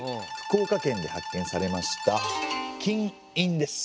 福岡県で発見されました金印です。